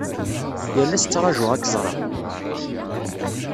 Yal ass tṛajuɣ ad ak-ẓreɣ.